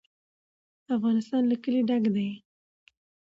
افغانستان له کلي ډک دی.